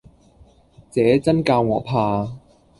這眞教我怕，